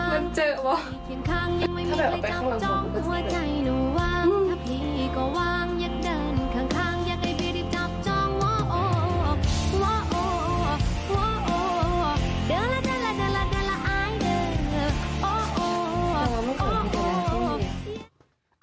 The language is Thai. ถ้าเดินออกไปข้างล่างบนก็จะเห็นเลย